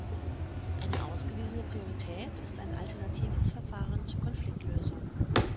Eine ausgewiesene Priorität ist ein alternatives Verfahren zur Konfliktlösung.